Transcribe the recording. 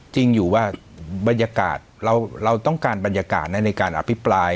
จริงอยู่ว่าบรรยากาศเราต้องการบรรยากาศในการอภิปราย